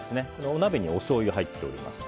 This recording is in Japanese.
お鍋におしょうゆが入っています。